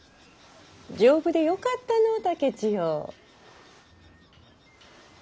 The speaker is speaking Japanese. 丈夫でよかったのぅ竹千代。